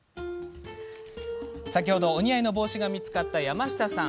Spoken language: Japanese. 先ほど、お似合いの帽子が見つかった山下さん。